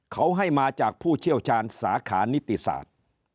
เขาให้มาจากผู้เชี่ยวชาญสาขานิติศาสตร์